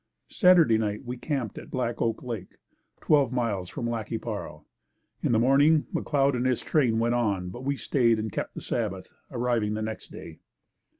Saturday night we camped at Black Oak Lake, twelve miles from Lac qui Parle. In the morning, McLeod and his train went on, but we stayed and kept the Sabbath, arriving the next day.